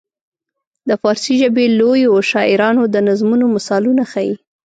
د فارسي ژبې لویو شاعرانو د نظمونو مثالونه ښيي.